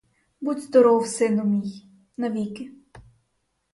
Будь здоров, сину мій, — навіки.